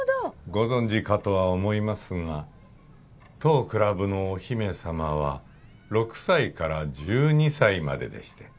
ご存じかとは思いますが当クラブのお姫さまは６歳から１２歳まででして。